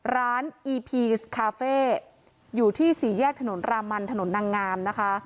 อีพีสคาเฟ่อยู่ที่สี่แยกถนนรามันถนนนางงามนะคะ